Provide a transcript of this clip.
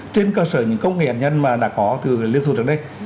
trên cơ sở những công nghệ hạt nhân mà đã có từ liên xô trước đây